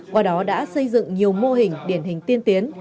qua đó đã xây dựng nhiều mô hình điển hình tiên tiến